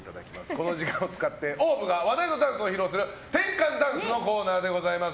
この時間を使ってＯＷＶが話題のダンスを披露する転換ダンスのコーナーでございます。